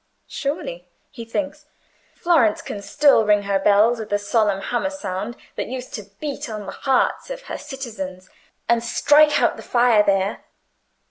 "Surely," he thinks, "Florence can still ring her bells with the solemn hammer sound that used to beat on the hearts of her citizens and strike out the fire there.